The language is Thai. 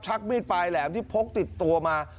ชักไม่ไปแหลมที่พกติดตัวมา